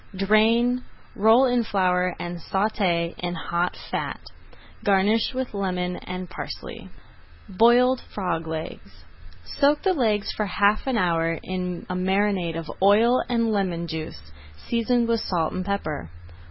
Drain, roll in flour, and sauté in hot fat. Garnish with lemon and parsley. BROILED FROG LEGS Soak the legs for half an hour in a marinade of oil and lemon juice, seasoned with salt and pepper.